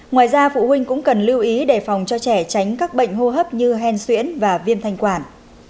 ngoài ra phụ huynh cũng cần lưu ý đề phòng cho trẻ tránh các bệnh hô hấp như hèn xuyễn và viêm thanh quản